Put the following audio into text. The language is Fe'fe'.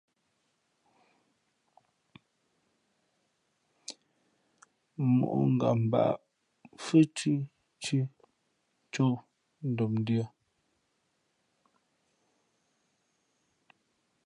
Mǒʼ ngam mbǎʼ fhʉ́ thʉ́ tʉ̄ ncō ndomndʉ̄ᾱ.